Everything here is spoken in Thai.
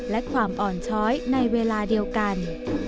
และความอ่อนช้อยในเวลาเดียวกัน